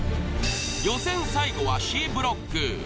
予選最後はＣブロック。